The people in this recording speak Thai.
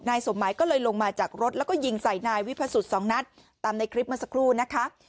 สมหมายก็เลยลงมาจากรถแล้วก็ยิงใส่นายวิพสุทธิ์สองนัดตามในคลิปเมื่อสักครู่นะคะ